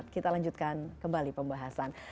kita lanjutkan kembali pembahasan